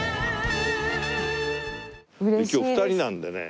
今日２人なんでね